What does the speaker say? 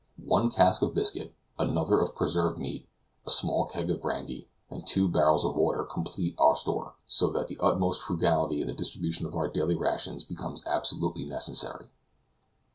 One cask of biscuit, another of preserved meat, a small keg of brandy, and two barrels of water complete our store, so that the utmost frugality in the distribution of our daily rations becomes absolutely necessary.